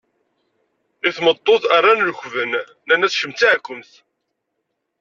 I tmeṭṭut rran lekben nnan-as kemm d taɛkumt.